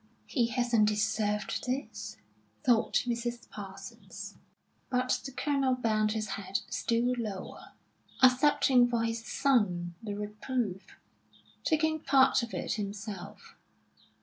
"He hasn't deserved this," thought Mrs. Parsons. But the Colonel bent his head still lower, accepting for his son the reproof, taking part of it himself.